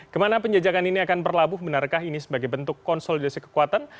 kemana penjajakan ini akan berlabuh benarkah ini sebagai bentuk konsolidasi kekuatan